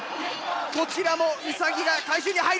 こちらもウサギが回収に入る！